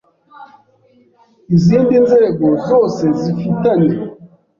izindi nzego zose zifitanye